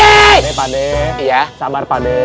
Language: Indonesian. pak d sabar pak d